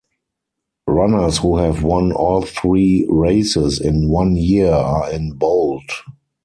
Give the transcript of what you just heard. Runners who have won all three races in one year are in bold.